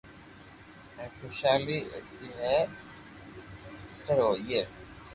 ھين خوݾالي آئئي ھين سٺو ھوئي